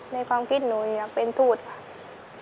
ในความคิดหนูอยากเป็นทูตค่ะ